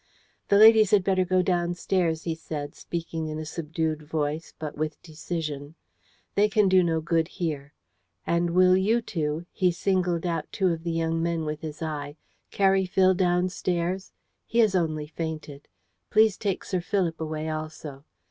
"The ladies had better go downstairs," he said, speaking in a subdued voice, but with decision. "They can do no good here. And will you two" he singled out two of the young men with his eye "carry Phil downstairs? He has only fainted. Please take Sir Philip away also.